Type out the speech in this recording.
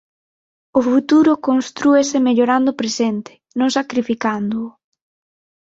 "O futuro constrúese mellorando o presente, non sacrificándoo".